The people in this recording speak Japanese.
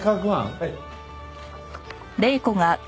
はい。